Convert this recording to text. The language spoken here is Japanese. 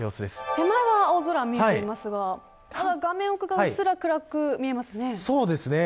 手前は青空が見えていますが画面奥側は薄っすら暗く見えますね。